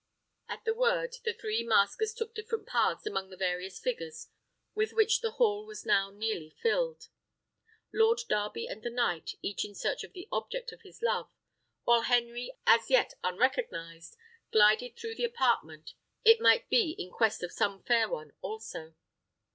At the word the three maskers took different paths amongst the various figures with which the hall was now nearly filled; Lord Darby and the knight, each in search of the object of his love; while Henry, as yet unrecognised, glided through the apartment, it might be in quest of some fair one also.